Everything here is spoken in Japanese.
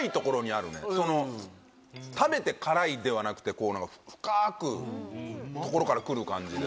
その食べて辛いではなくて何か深くところからくる感じで。